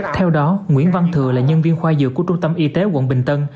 theo đó nguyễn văn thừa là nhân viên khoa dược của trung tâm y tế quận bình tân